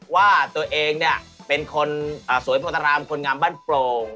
ว่าตัวเองเป็นคนสวยพักตรามคนงามบ้านโปร่ง